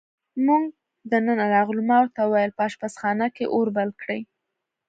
موږ دننه راغلو، ما ورته وویل: په اشپزخانه کې اور بل کړئ.